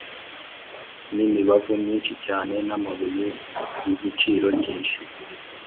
n’imibavu myinshi cyane n’amabuye y’igiciro cyinshi